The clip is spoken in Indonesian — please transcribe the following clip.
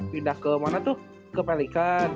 pindah ke mana tuh ke pelikan